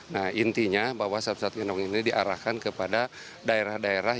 nah intinya bahwa sat sat genong ini diarahkan kepada daerah daerah